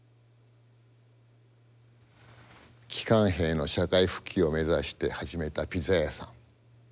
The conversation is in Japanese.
帰還兵の社会復帰を目指して始めたピザ屋さん。